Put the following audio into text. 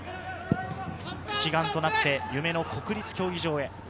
一丸となって夢の国立競技場へ。